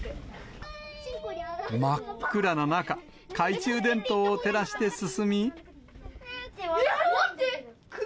真っ暗な中、懐中電灯を照ら待って、首！